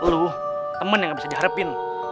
lo temen yang gak bisa diharapin